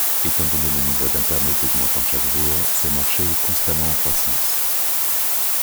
Étant donné le nombre d'internautes augmentant chaque jour, ce marché est constamment en croissance.